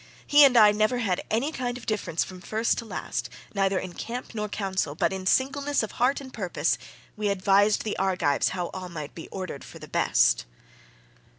He and I never had any kind of difference from first to last neither in camp nor council, but in singleness of heart and purpose we advised the Argives how all might be ordered for the best.